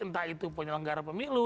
entah itu penyelenggara pemilu